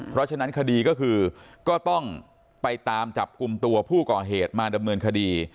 เพราะฉะนั้นคดีก็คือก็ต้องไปตามจับกลุ่มตัวผู้ก่อเหตุมาดำเนินคดี